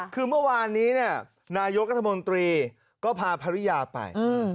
คือเมื่อวานนี้นายกรัฐมนตรีก็พาภรรยาไป